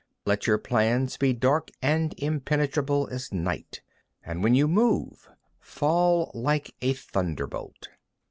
19. Let your plans be dark and impenetrable as night, and when you move, fall like a thunderbolt.